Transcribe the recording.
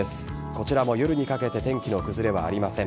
こちらも夜にかけて天気の崩れはありません。